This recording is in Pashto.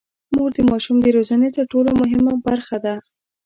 مور د ماشوم د روزنې تر ټولو مهمه برخه ده.